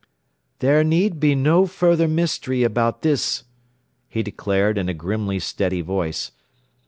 "There need be no further mystery about this," he declared in a grimly steady voice.